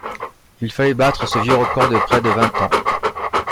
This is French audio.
Il fallait battre ce vieux record de près de vingt ans.